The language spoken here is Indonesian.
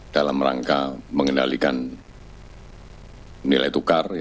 dalam rangka mengendalikan nilai tukar